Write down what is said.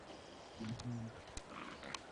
هغوی له خپل کلي څخه راغلي او دلته استوګن شوي